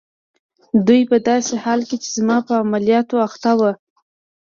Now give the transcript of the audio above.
دوی په داسې حال کې چي زما په عملیاتو اخته ول.